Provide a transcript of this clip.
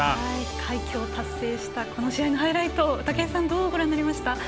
快挙を達成したこの試合のハイライトを武井さん、どうご覧になりましたか。